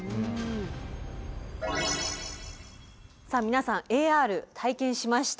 さあ皆さんＡＲ体験しました。